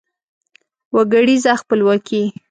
وګړیزه خپلواکي